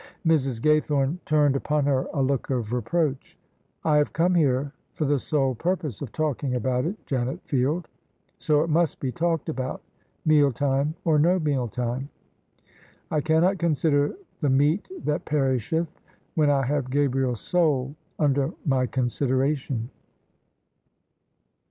Mrs. Gaythome turned upon her a look of reproach. " I have come here for the sole purpose of talking about it, Janet Field, so it must be talked about, meal time or no meal time. I cannot consider the meat that perisheth when I have Gabriel's soul under my consideration."